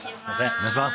お願いします